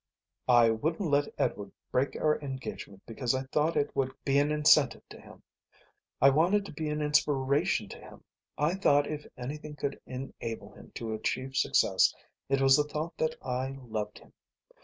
"I wouldn't let Edward break our engagement because I thought it would be an incentive to him. I wanted to be an inspiration to him. I thought if anything could enable him to achieve success it was the thought that I loved him.